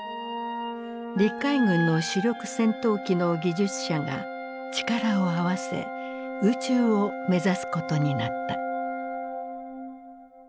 陸海軍の主力戦闘機の技術者が力を合わせ宇宙を目指すことになった。